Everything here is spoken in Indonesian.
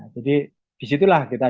jadi disitulah kita